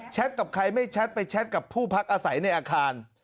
กับใครไม่แชทไปแชทกับผู้พักอาศัยในอาคาร